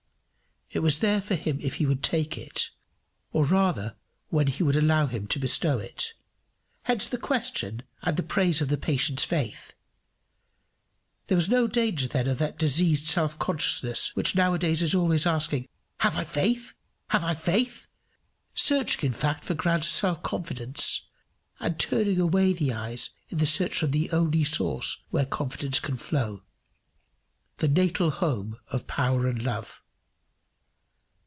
It was there for him if he would take it, or rather when he would allow him to bestow it. Hence the question and the praise of the patient's faith. There was no danger then of that diseased self consciousness which nowadays is always asking, "Have I faith? Have I faith?" searching, in fact, for grounds of self confidence, and turning away the eyes in the search from the only source whence confidence can flow the natal home of power and love.